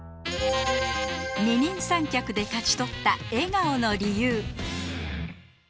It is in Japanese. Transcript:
二人三脚で勝ち取った笑顔の理由。